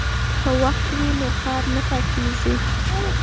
که وخت وي نو کار نه پاتیږي.